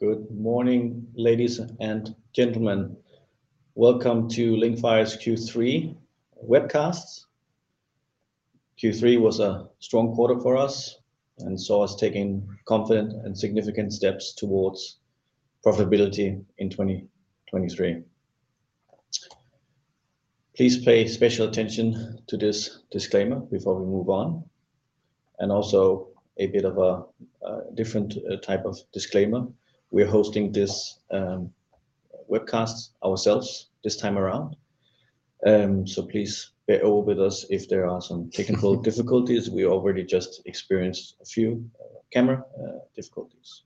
Good morning, ladies and gentlemen. Welcome to Linkfire's Q3 webcast. Q3 was a strong quarter for us and saw us taking confident and significant steps towards profitability in 2023. Please pay special attention to this disclaimer before we move on, and also a bit of a different type of disclaimer. We're hosting this webcast ourselves this time around, so please bear with us if there are some technical difficulties. We already just experienced a few camera difficulties.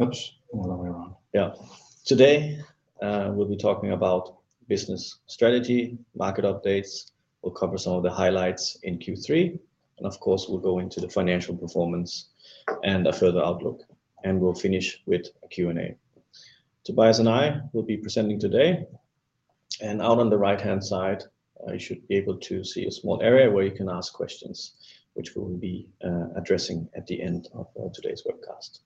Oops. Other way around. Today, we'll be talking about business strategy, market updates. We'll cover some of the highlights in Q3, and of course, we'll go into the financial performance and a further outlook, and we'll finish with a Q&A. Tobias and I will be presenting today, and out on the right-hand side, you should be able to see a small area where you can ask questions, which we'll be addressing at the end of today's webcast.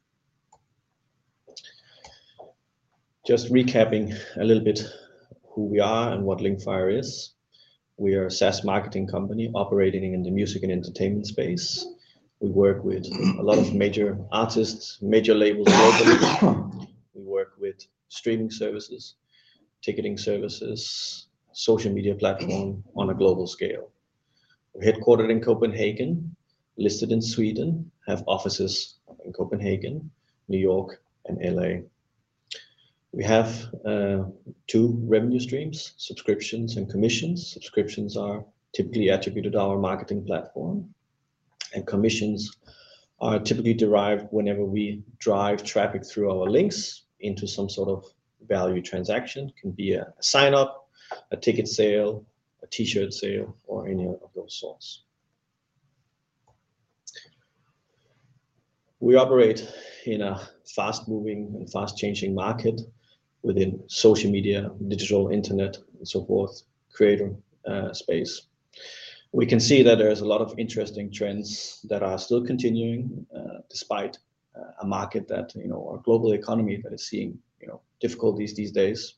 Just recapping a little bit who we are and what Linkfire is. We are a SaaS marketing company operating in the music and entertainment space. We work with a lot of major artists, major labels globally. We work with streaming services, ticketing services, social media platforms on a global scale. We're headquartered in Copenhagen, listed in Sweden, have offices in Copenhagen, New York, and L.A. We have two revenue streams, subscriptions and commissions. Subscriptions are typically attributed to our marketing platform, and commissions are typically derived whenever we drive traffic through our links into some sort of value transaction. It can be a sign-up, a ticket sale, a T-shirt sale, or any of those sorts. We operate in a fast-moving and fast-changing market within social media, digital internet, and so forth, creator space. We can see that there's a lot of interesting trends that are still continuing, despite a market that, you know, or global economy that is seeing, you know, difficulties these days.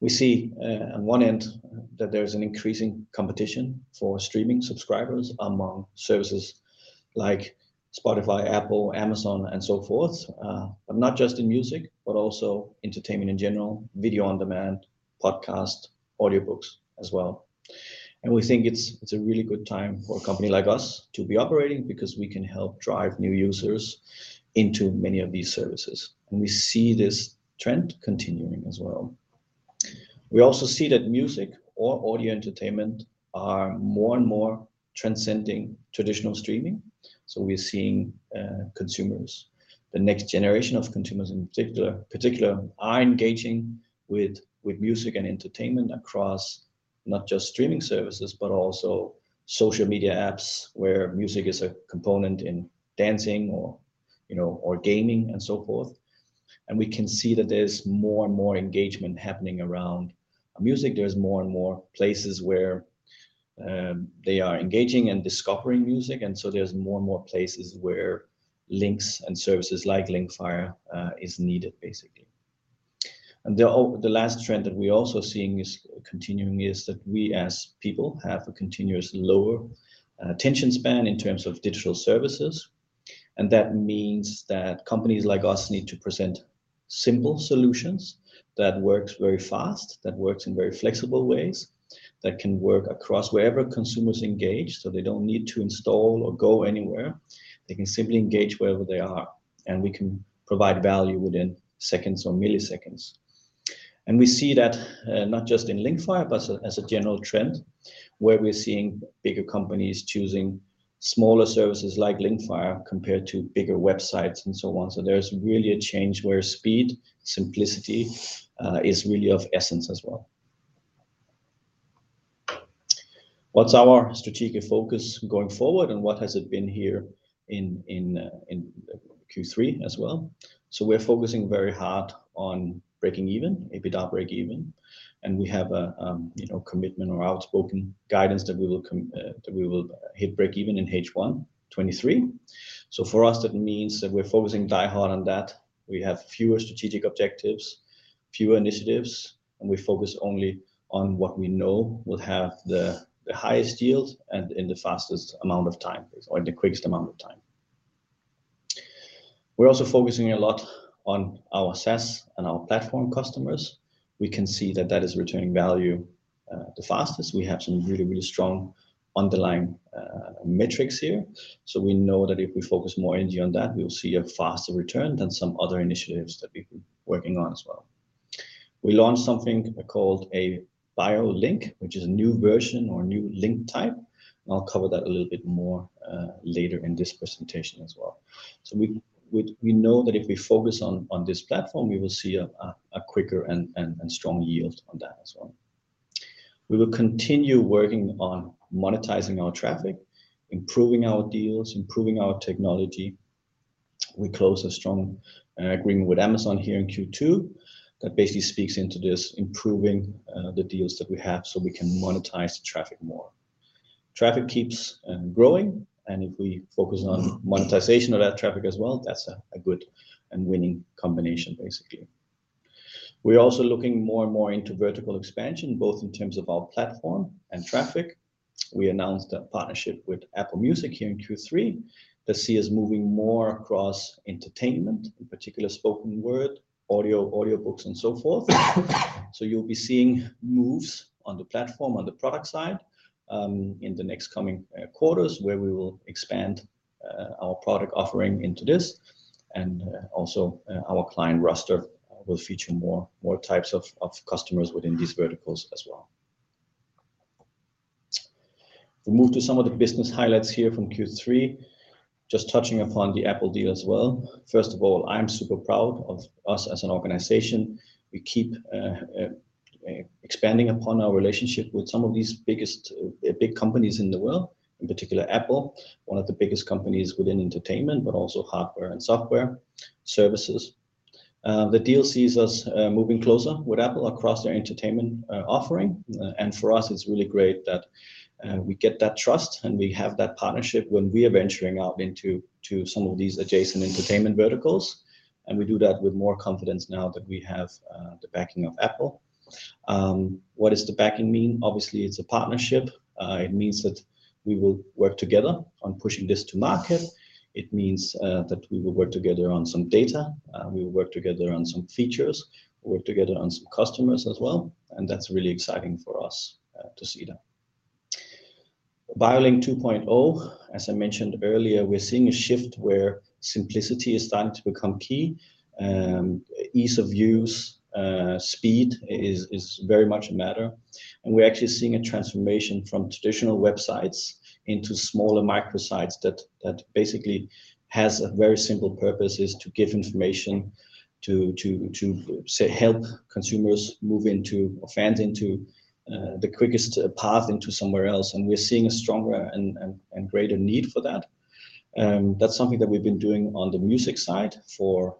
We see on one end that there's an increasing competition for streaming subscribers among services like Spotify, Apple, Amazon, and so forth. Not just in music, but also entertainment in general, video on demand, podcast, audiobooks as well. We think it's a really good time for a company like us to be operating because we can help drive new users into many of these services, and we see this trend continuing as well. We also see that music or audio entertainment are more and more transcending traditional streaming. We're seeing consumers, the next generation of consumers in particular, are engaging with music and entertainment across not just streaming services, but also social media apps where music is a component in dancing or, you know, or gaming and so forth. We can see that there's more and more engagement happening around music. There's more and more places where they are engaging and discovering music, and so there's more and more places where links and services like Linkfire is needed, basically. The last trend that we're also seeing is continuing is that we as people have a continuously lower attention span in terms of digital services. That means that companies like us need to present simple solutions that works very fast, that works in very flexible ways, that can work across wherever consumers engaged, so they don't need to install or go anywhere. They can simply engage wherever they are, and we can provide value within seconds or milliseconds. We see that not just in Linkfire, but as a general trend, where we're seeing bigger companies choosing smaller services like Linkfire compared to bigger websites and so on. There's really a change where speed, simplicity is really of essence as well. What's our strategic focus going forward, and what has it been here in Q3 as well? We're focusing very hard on breaking even, EBITDA break even, and we have a, you know, commitment or outspoken guidance that we will hit break even in H1 2023. For us, that means that we're focusing diehard on that. We have fewer strategic objectives, fewer initiatives, and we focus only on what we know will have the highest yield and in the fastest amount of time, or in the quickest amount of time. We're also focusing a lot on our SaaS and our platform customers. We can see that that is returning value the fastest. We have some really strong underlying metrics here, so we know that if we focus more energy on that, we'll see a faster return than some other initiatives that we've been working on as well. We launched something called a Bio Link, which is a new version or new link type. I'll cover that a little bit more later in this presentation as well. We know that if we focus on this platform, we will see a quicker and strong yield on that as well. We will continue working on monetizing our traffic, improving our deals, improving our technology. We closed a strong agreement with Amazon here in Q2 that basically speaks into this improving the deals that we have so we can monetize the traffic more. Traffic keeps growing, and if we focus on monetization of that traffic as well, that's a good and winning combination, basically. We're also looking more and more into vertical expansion, both in terms of our platform and traffic. We announced a partnership with Apple Music here in Q3 that sees us moving more across entertainment, in particular spoken word, audio, audiobooks, and so forth. You'll be seeing moves on the platform on the product side, in the next coming quarters where we will expand our product offering into this, and also our client roster will feature more types of customers within these verticals as well. We'll move to some of the business highlights here from Q3, just touching upon the Apple deal as well. First of all, I'm super proud of us as an organization. We keep expanding upon our relationship with some of these biggest big companies in the world, in particular Apple, one of the biggest companies within entertainment, but also hardware and software services. The deal sees us moving closer with Apple across their entertainment offering. For us it's really great that we get that trust and we have that partnership when we are venturing out into some of these adjacent entertainment verticals, and we do that with more confidence now that we have the backing of Apple. What does the backing mean? Obviously, it's a partnership. It means that we will work together on pushing this to market. It means that we will work together on some data, we will work together on some features, work together on some customers as well. That's really exciting for us to see that. Bio Link 2.0, as I mentioned earlier, we're seeing a shift where simplicity is starting to become key. Ease of use, speed is very much a matter. We're actually seeing a transformation from traditional websites into smaller micro sites that basically has a very simple purpose, is to give information to, say, help consumers move into, or fans into, the quickest path into somewhere else. We're seeing a stronger and greater need for that. That's something that we've been doing on the music side for,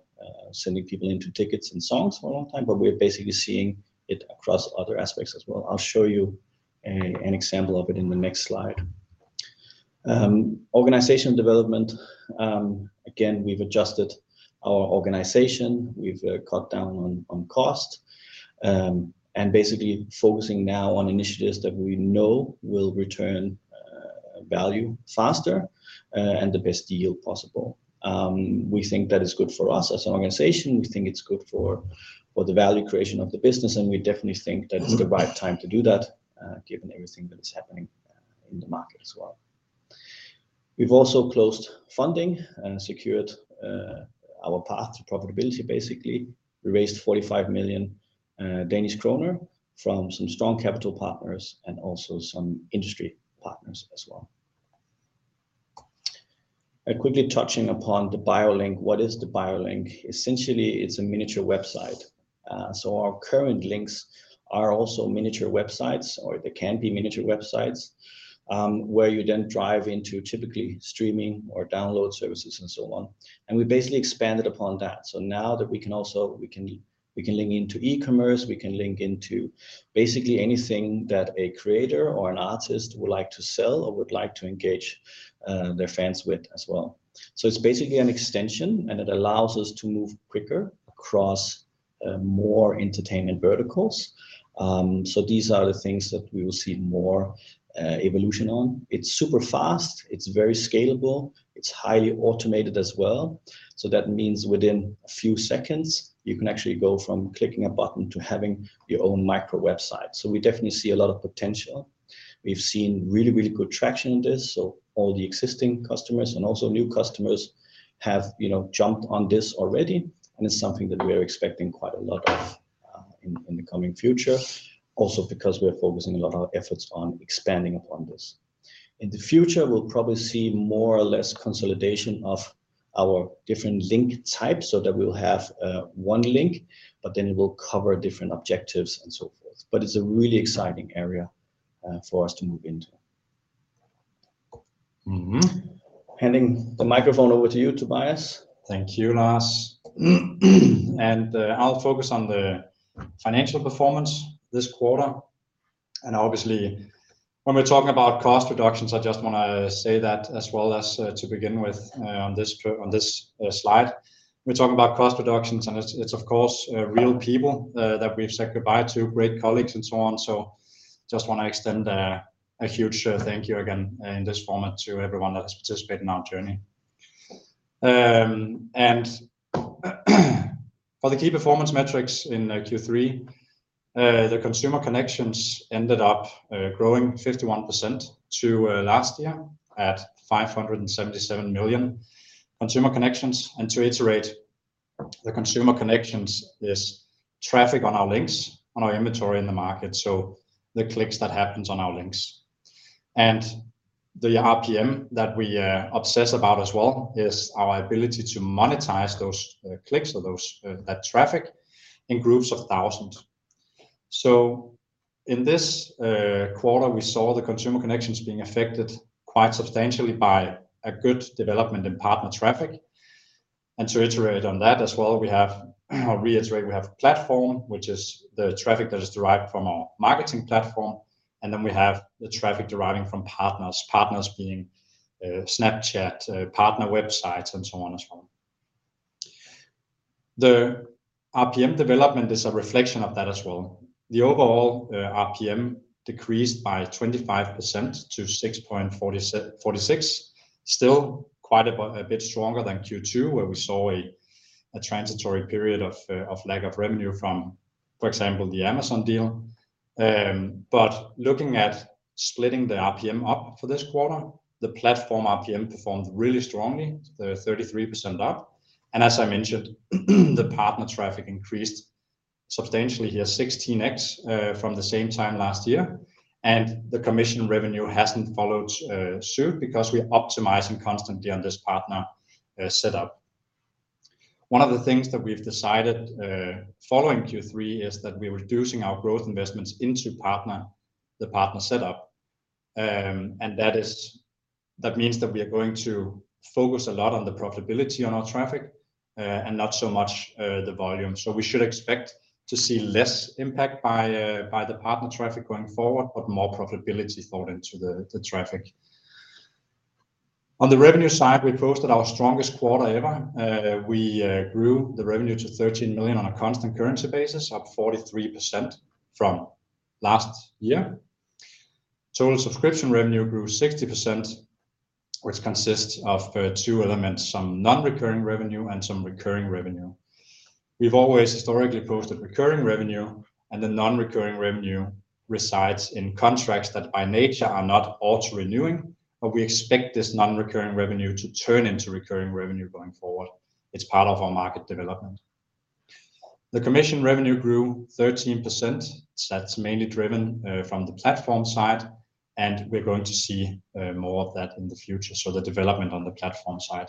sending people into tickets and songs for a long time, but we're basically seeing it across other aspects as well. I'll show you an example of it in the next slide. Organization development, again, we've adjusted our organization. We've cut down on cost, and basically focusing now on initiatives that we know will return value faster, and the best yield possible. We think that is good for us as an organization. We think it's good for the value creation of the business, we definitely think that it's the right time to do that, given everything that is happening in the market as well. We've also closed funding and secured our path to profitability, basically. We raised 45 million Danish kroner from some strong capital partners and also some industry partners as well. Quickly touching upon the Bio Link. What is the Bio Link? Essentially, it's a miniature website. Our current links are also miniature websites, or they can be miniature websites, where you then drive into typically streaming or download services and so on. We basically expanded upon that. Now that we can also, we can link into e-commerce, we can link into basically anything that a creator or an artist would like to sell or would like to engage their fans with as well. It's basically an extension, and it allows us to move quicker across more entertainment verticals. These are the things that we will see more evolution on. It's super fast. It's very scalable. It's highly automated as well. That means within a few seconds, you can actually go from clicking a button to having your own micro website. We definitely see a lot of potential. We've seen really good traction in this. All the existing customers and also new customers have, you know, jumped on this already, and it's something that we are expecting quite a lot of in the coming future, also because we're focusing a lot of our efforts on expanding upon this. In the future, we'll probably see more or less consolidation of our different link types so that we'll have one link, but then it will cover different objectives and so forth. It's a really exciting area for us to move into. Handing the microphone over to you, Tobias. Thank you, Lars. I'll focus on the financial performance this quarter. Obviously when we're talking about cost reductions, I just wanna say that as well as, to begin with, on this slide, we're talking about cost reductions, and it's of course real people that we've said goodbye to, great colleagues and so on. Just wanna extend a huge thank you again in this format to everyone that's participated in our journey. For the key performance metrics in Q3, the consumer connections ended up growing 51% to last year at 577 million consumer connections. To iterate, the consumer connections is traffic on our links, on our inventory in the market, so the clicks that happens on our links. The RPM that we obsess about as well is our ability to monetize those clicks or those that traffic in groups of thousands. In this quarter, we saw the Consumer connections being affected quite substantially by a good development in partner traffic. To iterate on that as well, we have or reiterate, we have platform, which is the traffic that is derived from our marketing platform, and then we have the traffic deriving from partners being Snapchat, partner websites, and so on. The RPM development is a reflection of that as well. The overall RPM decreased by 25% to 6.46, still quite a bit stronger than Q2, where we saw a transitory period of lack of revenue from, for example, the Amazon deal. Looking at splitting the RPM up for this quarter, the platform RPM performed really strongly, they're 33% up. As I mentioned, the partner traffic increased substantially here, 16x from the same time last year, and the commission revenue hasn't followed suit because we're optimizing constantly on this partner set up. One of the things that we've decided, following Q3 is that we're reducing our growth investments into partner, the partner setup. That means that we are going to focus a lot on the profitability on our traffic, and not so much the volume. We should expect to see less impact by the partner traffic going forward, but more profitability forward into the traffic. On the revenue side, we posted our strongest quarter ever. We grew the revenue to 13 million on a constant currency basis, up 43% from last year. Total subscription revenue grew 60%, which consists of two elements, some non-recurring revenue and some recurring revenue. We've always historically posted recurring revenue, and the non-recurring revenue resides in contracts that by nature are not auto-renewing, but we expect this non-recurring revenue to turn into recurring revenue going forward. It's part of our market development. The commission revenue grew 13%. That's mainly driven from the platform side, and we're going to see more of that in the future. The development on the platform side.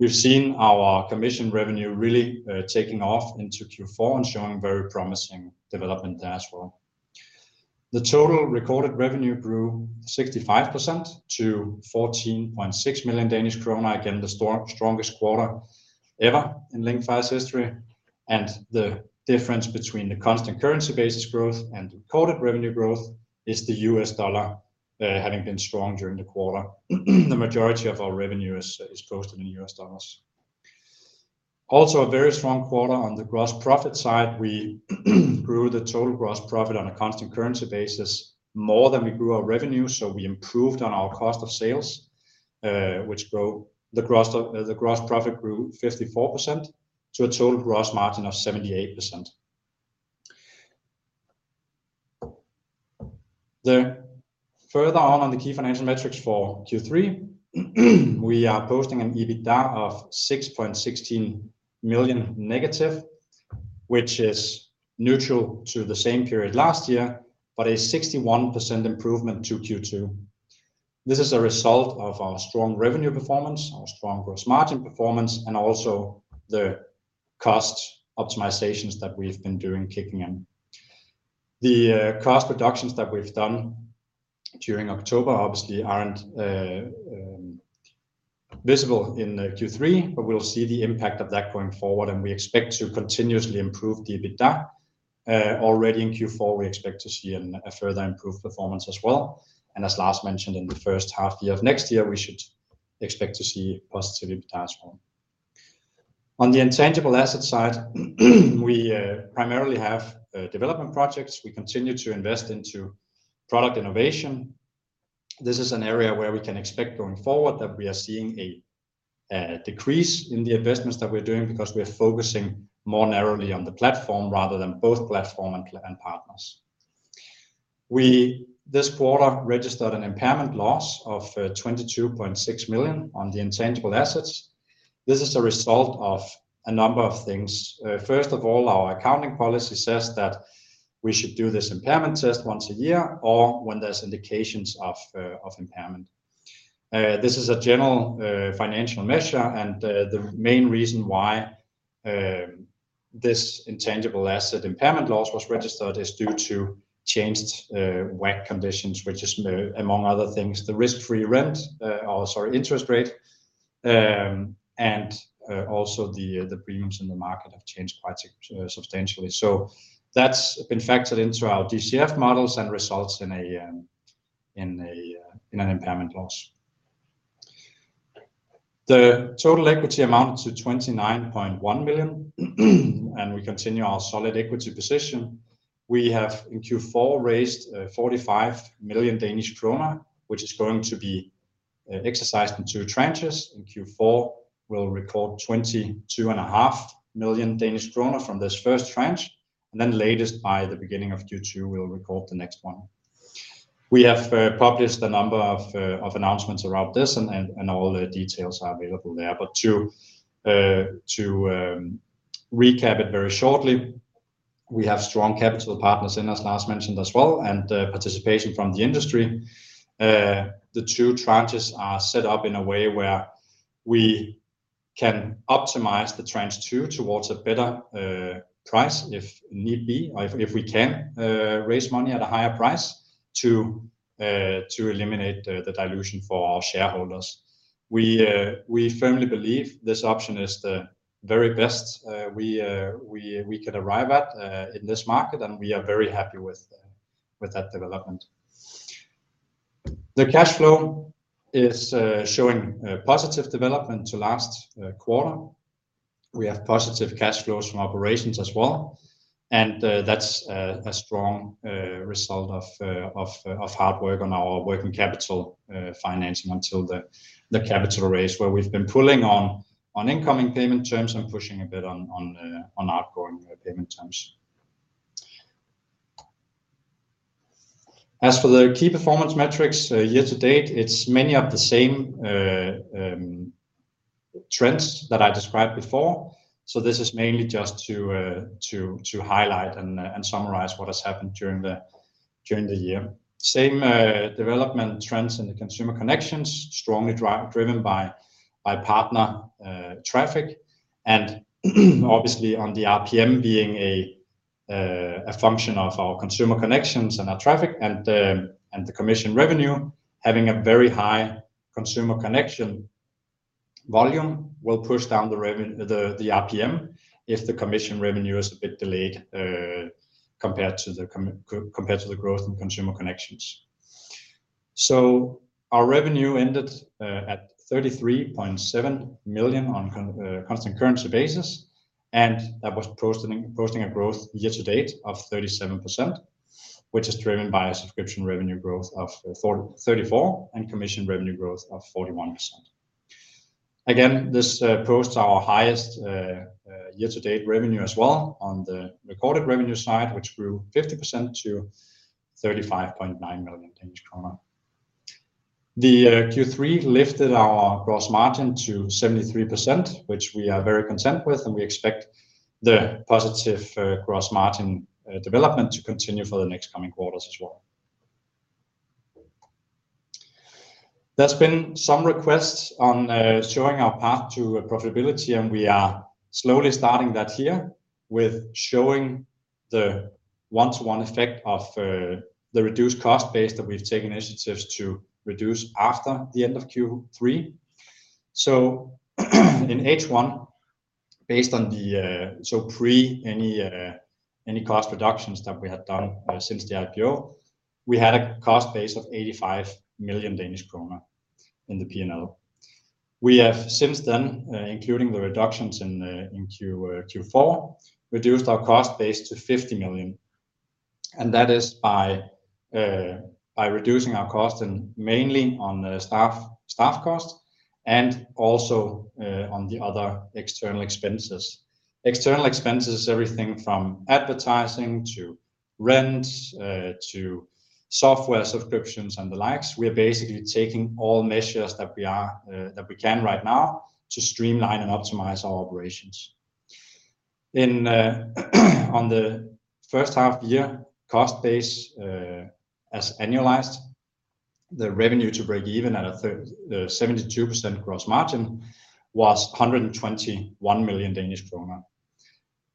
We've seen our commission revenue really taking off into Q4 and showing very promising development there as well. The total recorded revenue grew 65% to 14.6 million Danish kroner. Again, the strongest quarter ever in Linkfire's history. The difference between the constant currency-based growth and recorded revenue growth is the US dollar having been strong during the quarter. The majority of our revenue is posted in US dollars. Also a very strong quarter on the gross profit side. We grew the total gross profit on a constant currency basis more than we grew our revenue. We improved on our cost of sales, which the gross profit grew 54% to a total gross margin of 78%. Further on the key financial metrics for Q3, we are posting an EBITDA of -$6.16 million, which is neutral to the same period last year, but a 61% improvement to Q2. This is a result of our strong revenue performance, our strong gross margin performance, also the cost optimizations that we've been doing kicking in. The cost reductions that we've done during October obviously aren't visible in Q3, we'll see the impact of that going forward, we expect to continuously improve the EBITDA. Already in Q4, we expect to see a further improved performance as well. As Lars mentioned, in the first half year of next year, we should expect to see positive EBITDA as well. On the intangible asset side, we primarily have development projects. We continue to invest into product innovation. This is an area where we can expect going forward that we are seeing a decrease in the investments that we're doing because we're focusing more narrowly on the platform rather than both platform and partners. We this quarter registered an impairment loss of 22.6 million on the intangible assets. This is a result of a number of things. First of all, our accounting policy says that we should do this impairment test once a year or when there's indications of impairment. This is a general financial measure, and the main reason why this intangible asset impairment loss was registered is due to changed WACC conditions, which is among other things, the risk-free rent, oh sorry, interest rate, and also the premiums in the market have changed quite substantially. That's been factored into our DCF models and results in an impairment loss. The total equity amounted to 29.1 million, and we continue our solid equity position. We have in Q4 raised 45 million Danish krone, which is going to be exercised in two tranches. In Q4, we'll record twenty-two and a half million Danish krone from this first tranche, and then latest by the beginning of Q2, we'll record the next one. We have published a number of announcements around this and all the details are available there. To recap it very shortly, we have strong capital partners in, as Lars mentioned as well, and participation from the industry. The 2 tranches are set up in a way where we can optimize the tranche 2 towards a better price if need be, if we can raise money at a higher price, to eliminate the dilution for our shareholders. We firmly believe this option is the very best we could arrive at in this market, and we are very happy with that development. The cash flow is showing positive development to last quarter. We have positive cash flows from operations as well, that's a strong result of hard work on our working capital financing until the capital raise, where we've been pulling on incoming payment terms and pushing a bit on outgoing payment terms. As for the key performance metrics, year to date, it's many of the same trends that I described before. This is mainly just to highlight and summarize what has happened during the year. Same development trends in the consumer connections, strongly driven by partner traffic, and obviously on the RPM being a function of our consumer connections and our traffic and the commission revenue, having a very high consumer connection volume will push down the RPM if the commission revenue is a bit delayed compared to the growth in consumer connections. Our revenue ended at 33.7 million on constant currency basis, and that was posting a growth year to date of 37%, which is driven by a subscription revenue growth of 34% and commission revenue growth of 41%. This posts our highest year-to-date revenue as well on the recorded revenue side, which grew 50% to 35.9 million Danish krone. Q3 lifted our gross margin to 73%, which we are very content with, and we expect the positive gross margin development to continue for the next coming quarters as well. There's been some requests on showing our path to profitability, and we are slowly starting that here with showing the one-to-one effect of the reduced cost base that we've taken initiatives to reduce after the end of Q3. In H1, based on the pre any cost reductions that we have done since the IPO, we had a cost base of 85 million Danish kroner in the P&L. We have since then, including the reductions in Q4, reduced our cost base to 50 million, and that is by reducing our cost and mainly on staff costs and also on the other external expenses. External expenses is everything from advertising to rent, to software subscriptions and the likes. We are basically taking all measures that we can right now to streamline and optimize our operations. In on the first half year cost base, as annualized, the revenue to break even at a 72% gross margin was 121 million Danish kroner,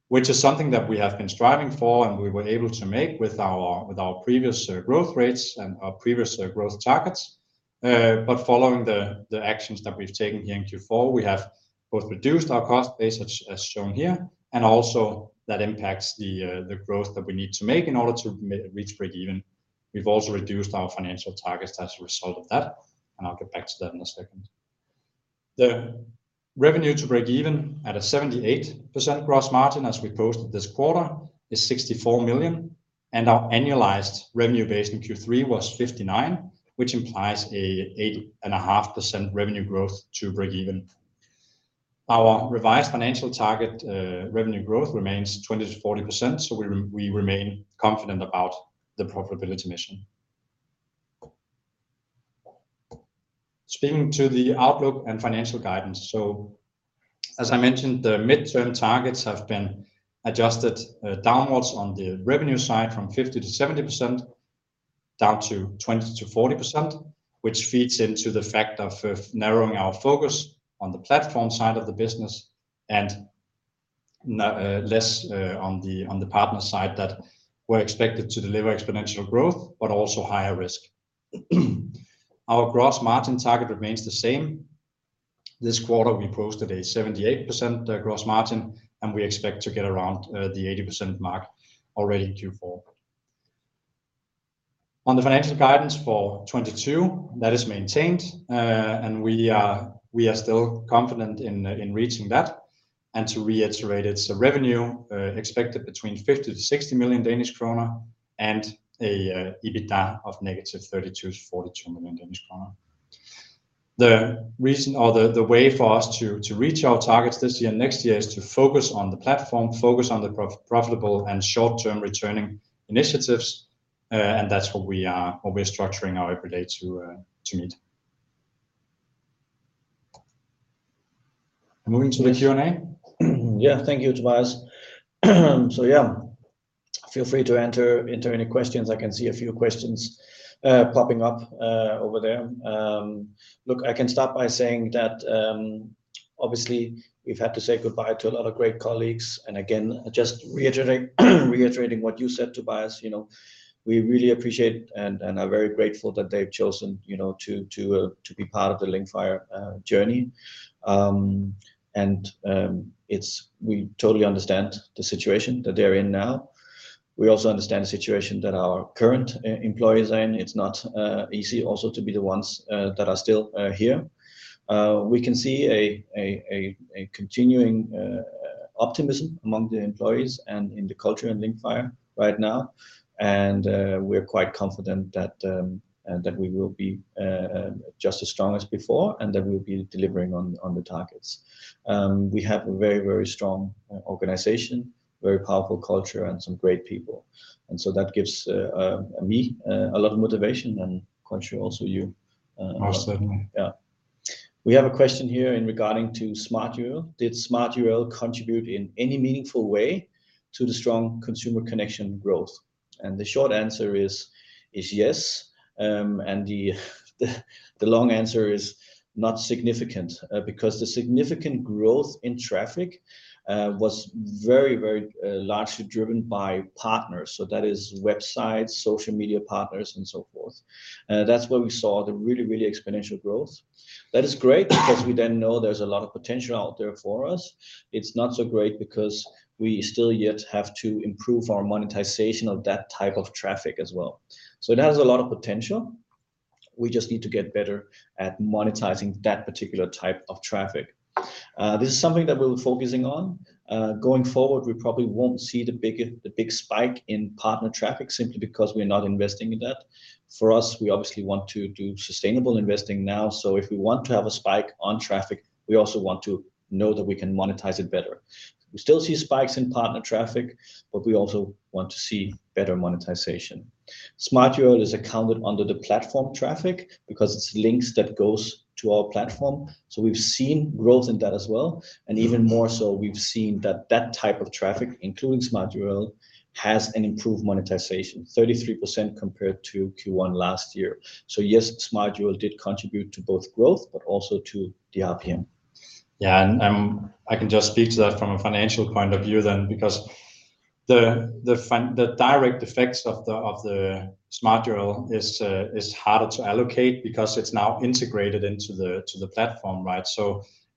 which is something that we have been striving for, and we were able to make with our, with our previous growth rates and our previous growth targets. Following the actions that we've taken here in Q4, we have both reduced our cost base as shown here, and also that impacts the growth that we need to make in order to reach break even. We've also reduced our financial targets as a result of that, and I'll get back to that in a second. The revenue to break even at a 78% gross margin, as we posted this quarter, is 64 million, and our annualized revenue base in Q3 was 59 million, which implies a 8.5% revenue growth to break even. Our revised financial target, revenue growth remains 20%-40%, so we remain confident about the profitability mission. Speaking to the outlook and financial guidance. As I mentioned, the midterm targets have been adjusted downwards on the revenue side from 50%-70%, down to 20%-40%, which feeds into the fact of narrowing our focus on the platform side of the business and less on the partner side that were expected to deliver exponential growth but also higher risk. Our gross margin target remains the same. This quarter, we posted a 78% gross margin, and we expect to get around the 80% mark already in Q4. On the financial guidance for 2022, that is maintained, and we are still confident in reaching that. To reiterate it, revenue expected between 50 million-60 million Danish kroner and an EBITDA of negative 32 million-42 million Danish kroner. The reason or the way for us to reach our targets this year, next year is to focus on the platform, focus on the profitable and short-term returning initiatives, and that's what we are, what we're structuring our everyday to meet. Moving to the Q&A? Yeah. Thank you, Tobias. Yeah, feel free to enter any questions. I can see a few questions popping up over there. Look, I can start by saying that. Obviously, we've had to say goodbye to a lot of great colleagues, and again, just reiterating what you said, Tobias, you know, we really appreciate and are very grateful that they've chosen, you know, to be part of the Linkfire journey. We totally understand the situation that they're in now. We also understand the situation that our current employees are in. It's not easy also to be the ones that are still here. We can see a continuing optimism among the employees and in the culture in Linkfire right now, and we're quite confident that we will be just as strong as before, and that we'll be delivering on the targets. We have a very, very strong organization, very powerful culture, and some great people, and so that gives me a lot of motivation, and I'm quite sure also you. Oh, certainly. Yeah. We have a question here regarding smartURL. Did smartURL contribute in any meaningful way to the strong Consumer connection growth? The short answer is yes, the long answer is not significant, because the significant growth in traffic was very largely driven by partners. That is websites, social media partners, and so forth, and that's where we saw the really exponential growth. That is great because we then know there's a lot of potential out there for us. It's not so great because we still yet have to improve our monetization of that type of traffic as well. It has a lot of potential. We just need to get better at monetizing that particular type of traffic. This is something that we're focusing on. Going forward, we probably won't see the big spike in partner traffic simply because we're not investing in that. For us, we obviously want to do sustainable investing now. If we want to have a spike on traffic, we also want to know that we can monetize it better. We still see spikes in partner traffic. We also want to see better monetization. smartURL is accounted under the platform traffic because it's links that goes to our platform. We've seen growth in that as well, and even more so, we've seen that that type of traffic, including smartURL, has an improved monetization, 33% compared to Q1 last year. Yes, smartURL did contribute to both growth but also to the RPM. I can just speak to that from a financial point of view then because the direct effects of the smartURL is harder to allocate because it's now integrated into the platform, right?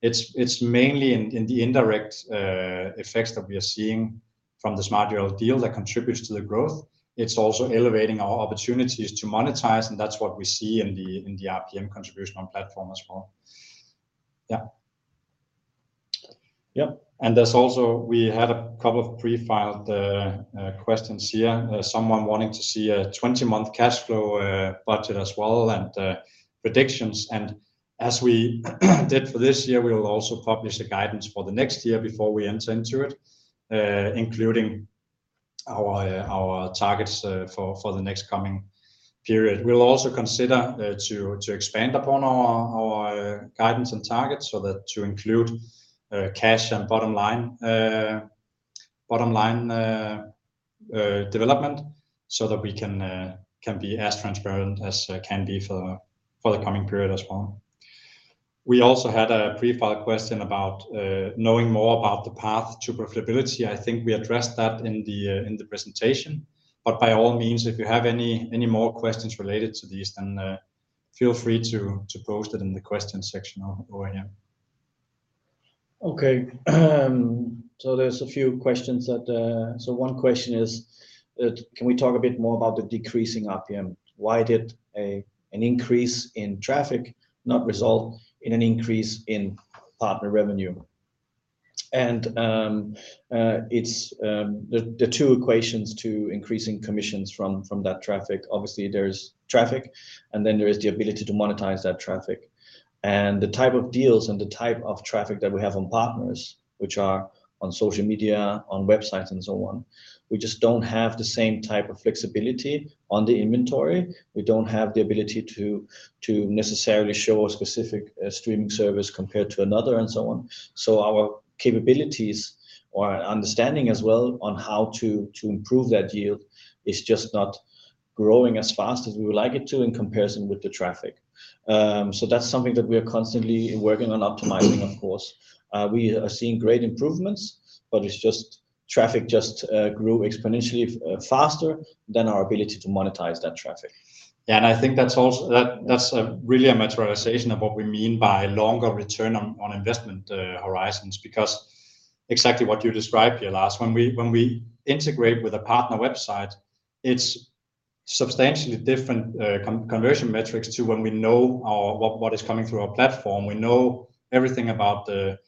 It's mainly in the indirect effects that we are seeing from the smartURL deal that contributes to the growth. It's also elevating our opportunities to monetize, and that's what we see in the RPM contribution on platform as well. There's also, we had a couple of pre-filed questions here. Someone wanting to see a 20-month cash flow budget as well and predictions. As we did for this year, we will also publish a guidance for the next year before we enter into it, including our targets for the next coming period. We'll also consider to expand upon our guidance and targets so that to include cash and bottom line development so that we can be as transparent as can be for the coming period as well. We also had a pre-filed question about knowing more about the path to profitability. I think we addressed that in the presentation. By all means, if you have any more questions related to these, then feel free to post it in the questions section on here. Okay. So one question is, can we talk a bit more about the decreasing RPM? Why did an increase in traffic not result in an increase in partner revenue? It's the two equations to increasing commissions from that traffic, obviously there's traffic, and then there is the ability to monetize that traffic. The type of deals and the type of traffic that we have on partners, which are on social media, on websites, and so on, we just don't have the same type of flexibility on the inventory. We don't have the ability to necessarily show a specific streaming service compared to another, and so on. Our capabilities or understanding as well on how to improve that yield is just not growing as fast as we would like it to in comparison with the traffic. That's something that we are constantly working on optimizing, of course. We are seeing great improvements, but it's just traffic just grew exponentially faster than our ability to monetize that traffic. Yeah, and I think that's really a materialization of what we mean by longer return on investment horizons because exactly what you described here, Lars. When we integrate with a partner website, it's substantially different conversion metrics to when we know what is coming through our platform. We know everything about the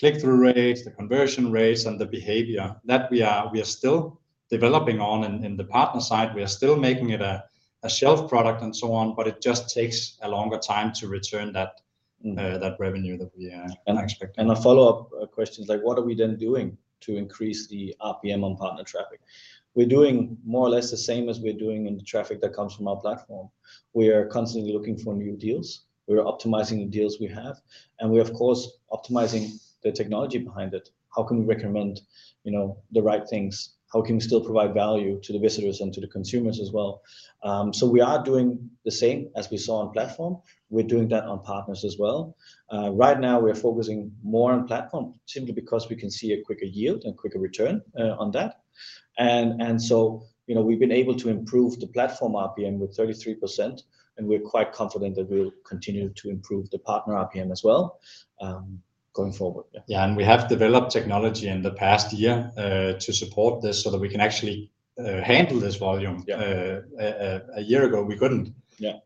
click-through rates, the conversion rates, and the behavior. That we are still developing on in the partner side. We are still making it a shelf product and so on, but it just takes a longer time to return. That revenue that we are expecting. A follow-up question is like what are we then doing to increase the RPM on partner traffic? We're doing more or less the same as we're doing in the traffic that comes from our platform. We are constantly looking for new deals. We are optimizing the deals we have, and we're of course optimizing the technology behind it. How can we recommend, you know, the right things? How can we still provide value to the visitors and to the consumers as well? We are doing the same as we saw on platform. We're doing that on partners as well. Right now we're focusing more on platform simply because we can see a quicker yield and quicker return on that. You know, we've been able to improve the platform RPM with 33%, and we're quite confident that we'll continue to improve the partner RPM as well. Going forward, yeah. Yeah, we have developed technology in the past year, to support this so that we can actually, handle this volume. Yeah. A year ago we couldn't. Yeah.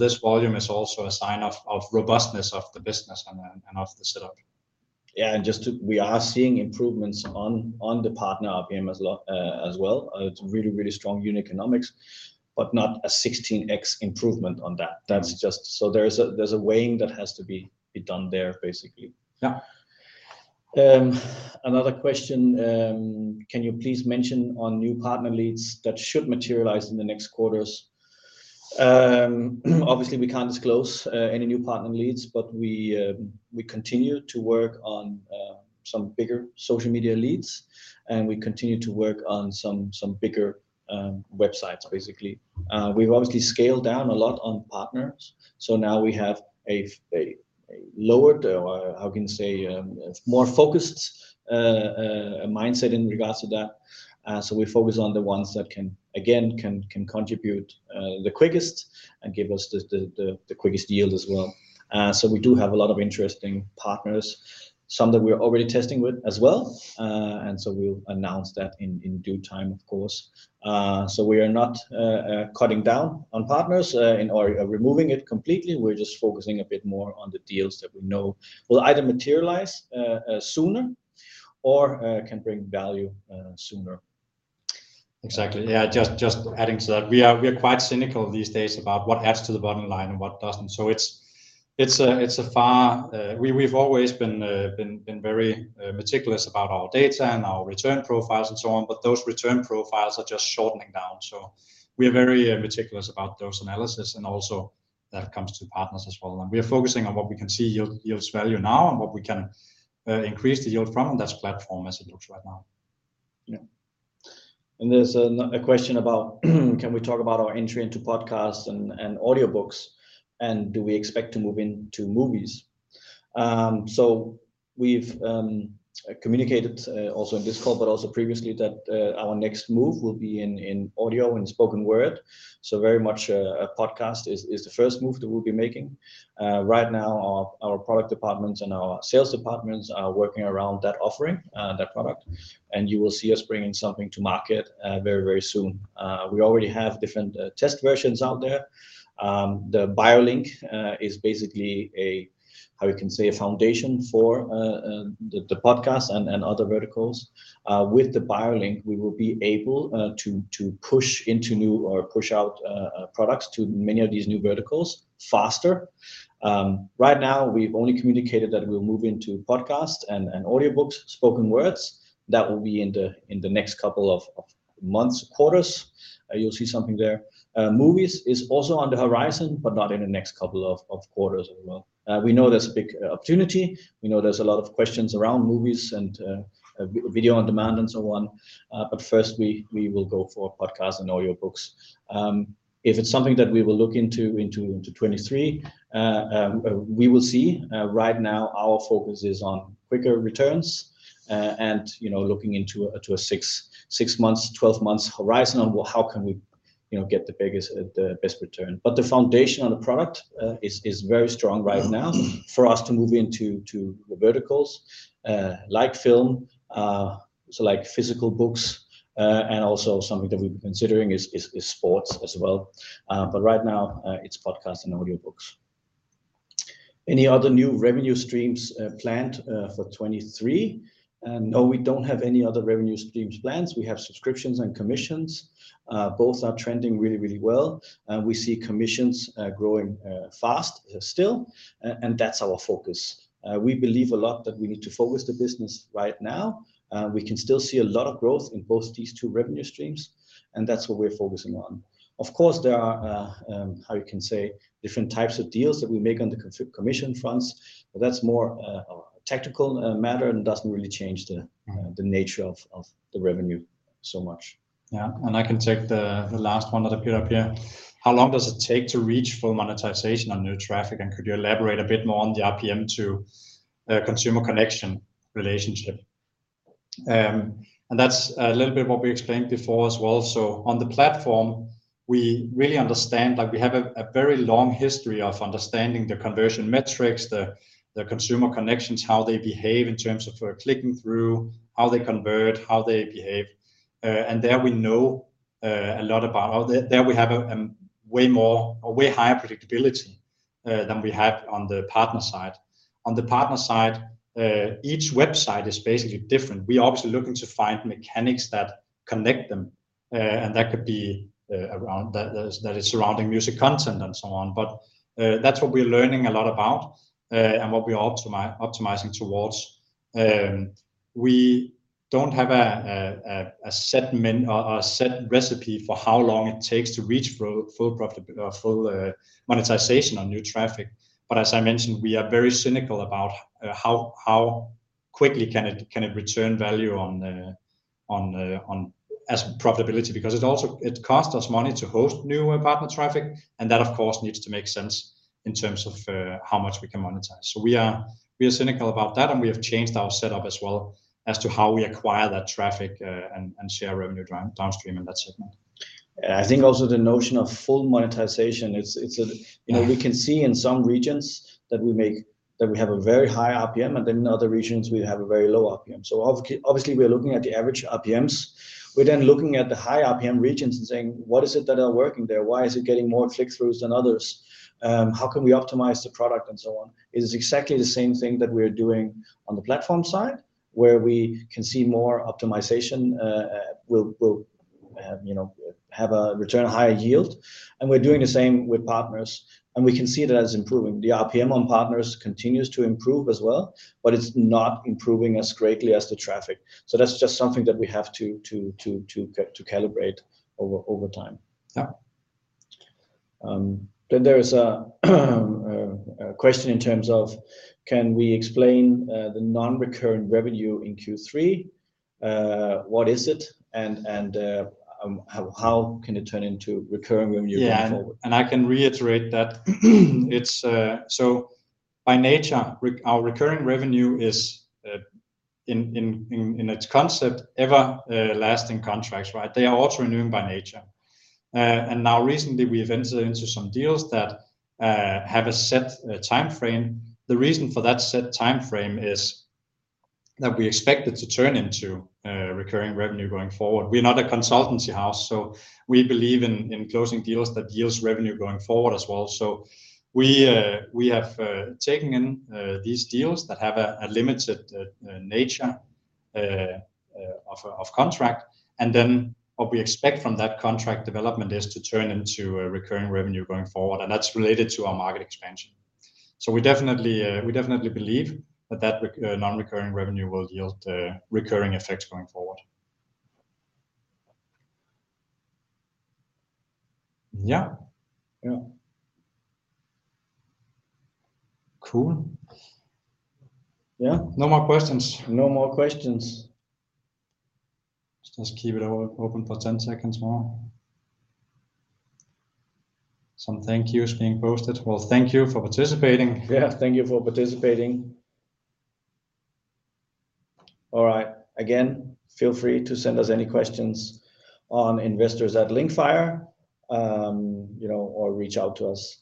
This volume is also a sign of robustness of the business and of the setup. Yeah, just we are seeing improvements on the partner RPM as well. It's really strong unit economics, not a 16x improvement on that. There's a weighing that has to be done there, basically. Yeah. Another question, can you please mention on new partner leads that should materialize in the next quarters? Obviously, we can't disclose any new partner leads, but we continue to work on some bigger social media leads, and we continue to work on some bigger websites, basically. We've obviously scaled down a lot on partners, so now we have a lowered or how can you say, a more focused mindset in regards to that. We focus on the ones that can again contribute the quickest and give us the quickest yield as well. We do have a lot of interesting partners, some that we're already testing with as well. We'll announce that in due time, of course. We are not cutting down on partners and/or removing it completely. We're just focusing a bit more on the deals that we know will either materialize sooner or can bring value sooner. Exactly. Yeah, just adding to that. We are quite cynical these days about what adds to the bottom line and what doesn't. it's a far... We've always been very meticulous about our data and our return profiles and so on, but those return profiles are just shortening down. we are very meticulous about those analysis and also that comes to partners as well. we are focusing on what we can see yield, yields value now and what we can increase the yield from on this platform as it looks right now. Yeah. There's a question about, can we talk about our entry into podcasts and audiobooks, and do we expect to move into movies? We've communicated also in this call, but also previously that our next move will be in audio and spoken word. Very much a podcast is the first move that we'll be making. Right now our product departments and our sales departments are working around that offering, that product, and you will see us bringing something to market very, very soon. We already have different test versions out there. The Bio Link is basically a, how we can say, a foundation for the podcast and other verticals. With the Bio Link, we will be able to push into new or push out products to many of these new verticals faster. Right now we've only communicated that we'll move into podcast and audiobooks, spoken words. That will be in the next couple of months, quarters, you'll see something there. Movies is also on the horizon, but not in the next couple of quarters as well. We know there's a big opportunity. We know there's a lot of questions around movies and video on demand and so on, but first we will go for podcasts and audiobooks. If it's something that we will look into 2023, we will see. Right now our focus is on quicker returns, and, you know, looking into a 6 months, 12 months horizon on, well, how can we, you know, get the biggest, the best return. The foundation on the product is very strong right now for us to move into the verticals, like film, so like physical books, and also something that we've been considering is sports as well. Right now, it's podcasts and audiobooks. Any other new revenue streams planned for 2023? No, we don't have any other revenue streams plans. We have subscriptions and commissions. Both are trending really, really well. We see commissions growing fast still, and that's our focus. We believe a lot that we need to focus the business right now. We can still see a lot of growth in both these two revenue streams, and that's what we're focusing on. Of course, there are, how you can say, different types of deals that we make on the commission fronts, but that's more a technical matter and doesn't really change the nature of the revenue so much. Yeah. I can take the last one that appeared up here. How long does it take to reach full monetization on new traffic? Could you elaborate a bit more on the RPM to Consumer connection relationship? That's a little bit what we explained before as well. On the platform, we really understand, like we have a very long history of understanding the conversion metrics, the Consumer connections, how they behave in terms of clicking through, how they convert, how they behave. There we know a lot about... There we have way more, a way higher predictability than we have on the partner side. On the partner side, each website is basically different. We are obviously looking to find mechanics that connect them, and that could be around. That is surrounding music content and so on. That's what we're learning a lot about and what we're optimizing towards. We don't have a set recipe for how long it takes to reach full profit or full monetization on new traffic. As I mentioned, we are very cynical about how quickly can it return value on as profitability because it costs us money to host new partner traffic, and that of course needs to make sense in terms of how much we can monetize. We are cynical about that, and we have changed our setup as well as to how we acquire that traffic and share revenue downstream in that segment. I think also the notion of full monetization, it's. Yeah You know, we can see in some regions that we have a very high RPM. In other regions we have a very low RPM. Obviously, we are looking at the average RPMs. We're looking at the high RPM regions and saying, "What is it that are working there? Why is it getting more click-throughs than others? How can we optimize the product?" So on. It is exactly the same thing that we are doing on the platform side, where we can see more optimization, we'll have, you know, have a return, a higher yield. We're doing the same with partners, and we can see that as improving. The RPM on partners continues to improve as well. It's not improving as greatly as the traffic. That's just something that we have to calibrate over time. Yeah. There is a question in terms of can we explain the non-recurring revenue in Q3? What is it? How can it turn into recurring revenue going forward? Yeah. I can reiterate that. It's so by nature our recurring revenue is in its concept, everlasting contracts, right? They are auto-renewing by nature. Now recently we have entered into some deals that have a set timeframe. The reason for that set timeframe is that we expect it to turn into recurring revenue going forward. We are not a consultancy house, we believe in closing deals that yields revenue going forward as well. We have taken in these deals that have a limited nature of contract. What we expect from that contract development is to turn into a recurring revenue going forward, and that's related to our market expansion. We definitely believe that that non-recurring revenue will yield recurring effects going forward. Yeah. Yeah. Cool. Yeah. No more questions. No more questions. Let's just keep it open for 10 seconds more. Some thank yous being posted. Well, thank you for participating. Yeah. Thank you for participating. All right. Again, feel free to send us any questions on investors at Linkfire, you know, or reach out to us.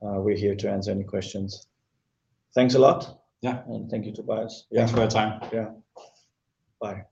We're here to answer any questions. Thanks a lot. Yeah. Thank you, Tobias. Yeah. Thanks for your time. Yeah. Bye.